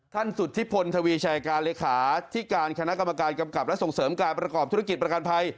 สุธิพลทวีชัยการเลขาที่การคณะกรรมการกำกับและส่งเสริมการประกอบธุรกิจประกันภัย